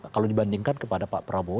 kalau dibandingkan kepada pak prabowo